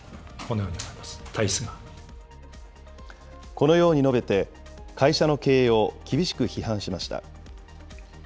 このように述べて、会社の経営を厳しく批判しました。